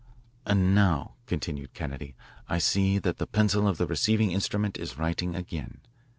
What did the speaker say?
"And now," continued Kennedy, "I see that the pencil of the receiving instrument is writing again.